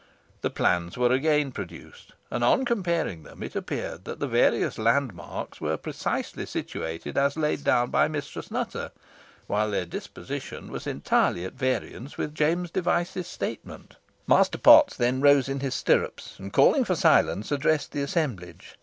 The plans were again produced, and, on comparing them, it appeared that the various landmarks were precisely situated as laid down by Mistress Nutter, while their disposition was entirely at variance with James Device's statement. Master Potts then rose in his stirrups, and calling for silence, addressed the assemblage.